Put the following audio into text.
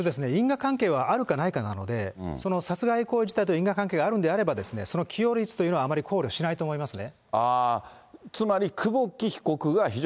因果関係はあるかないかなので、その殺害行為自体と因果関係があるのであれば、きようりつというのはあまり考慮しないと思いますよね。